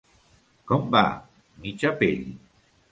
Com va? Mitja pell.